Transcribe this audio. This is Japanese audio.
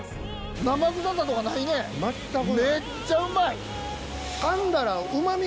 生臭さとかないね全くないめっちゃうまい！